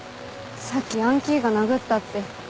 さっき「ヤンキーが殴った」って。